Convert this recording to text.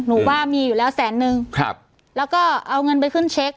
ว่ามีอยู่แล้วแสนนึงครับแล้วก็เอาเงินไปขึ้นเช็ค